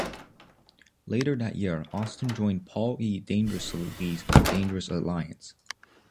Later that year, Austin joined Paul E. Dangerously's Dangerous Alliance.